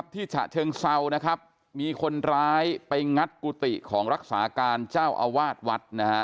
ฉะเชิงเซานะครับมีคนร้ายไปงัดกุฏิของรักษาการเจ้าอาวาสวัดนะฮะ